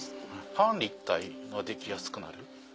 半立体ができやすくなる。